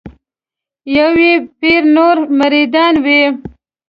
یو یې پیر نور مریدان وي